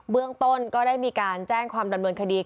ต้นก็ได้มีการแจ้งความดำเนินคดี